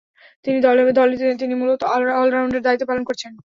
দলে তিনি মূলতঃ অল-রাউন্ডারের দায়িত্ব পালন করছেন।